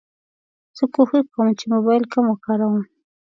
زه کوښښ کوم چې موبایل کم وکاروم.